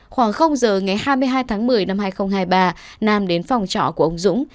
khoảng giờ ngày hai mươi hai tháng một mươi năm hai nghìn hai mươi ba nam đến phòng trọ của ông dũng